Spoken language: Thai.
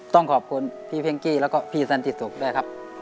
ต้องขอบคุณพี่เพ็งกี้แล้วก็พี่สันติสุขด้วยครับ